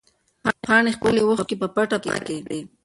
پاڼې خپلې اوښکې په پټه پاکې کړې.